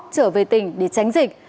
trở về tỉnh để tránh dịch